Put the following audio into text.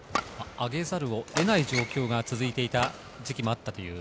上げざるを得ない状況が続いていた時期もあったという。